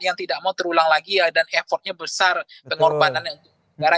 yang tidak mau terulang lagi dan effortnya besar pengorbanan negara